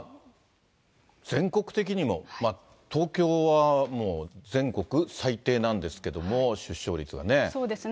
全国的にも、東京はもう全国最低なんですけれども、そうですね。